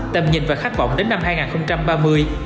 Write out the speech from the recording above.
tầm nhìn và khát vọng đến năm hai nghìn ba mươi